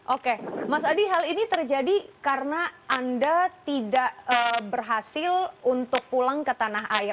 oke mas adi hal ini terjadi karena anda tidak berhasil untuk pulang ke tanah air